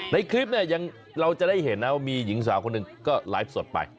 ในคลิปเนี่ยเราจะได้เห็นนะว่ามีหญิงสาวคนหนึ่งก็ไลฟ์สดไป